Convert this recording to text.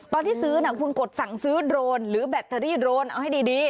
ตอนที่ซื้อคุณกดสั่งซื้อโดรนหรือแบตเตอรี่โดรนเอาให้ดี